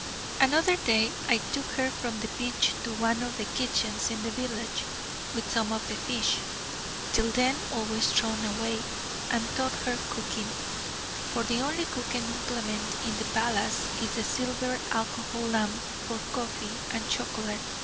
Another day I took her from the pitch to one of the kitchens in the village with some of the fish, till then always thrown away, and taught her cooking: for the only cooking implement in the palace is the silver alcohol lamp for coffee and chocolate.